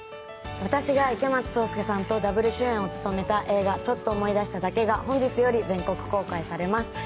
私が池松壮亮さんとダブル主演を務めた映画「ちょっと思い出しただけ」が本日より全国公開されます。